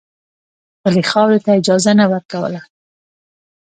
خپلې خاورې ته اجازه نه ورکوله.